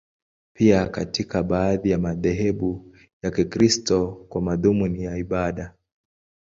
Pia katika baadhi ya madhehebu ya Kikristo, kwa madhumuni ya ibada.